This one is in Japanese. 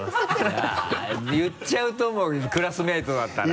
言っちゃうと思うクラスメートだったら。